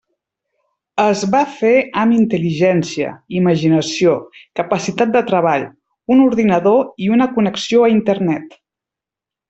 Es va fer amb intel·ligència, imaginació, capacitat de treball, un ordinador i una connexió a Internet.